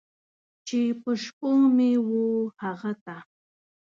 چې په شپو مې و هغه ته!